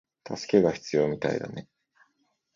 助けが必要みたいだね